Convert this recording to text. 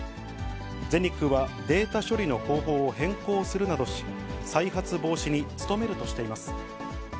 全日空はデータ処理の方法を変更するなどし、再発防止に努めるとしています。